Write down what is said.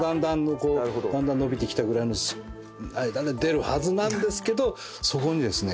だんだん伸びてきたぐらいの間で出るはずなんですけどそこにですね